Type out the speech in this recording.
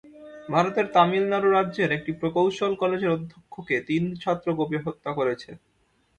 ভারতের তামিলনাড়ু রাজ্যের একটি প্রকৌশল কলেজের অধ্যক্ষকে তিন ছাত্র কুপিয়ে হত্যা করেছে।